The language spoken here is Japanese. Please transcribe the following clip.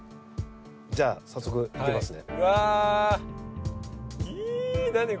じゃあ、早速いきますね。